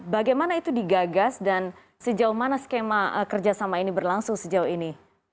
bagaimana itu digagas dan sejauh mana skema kerjasama ini berlangsung sejauh ini